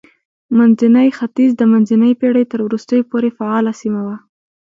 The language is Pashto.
منځنی ختیځ د منځنۍ پېړۍ تر وروستیو پورې فعاله سیمه وه.